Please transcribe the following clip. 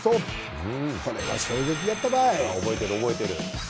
これは衝撃やったばい！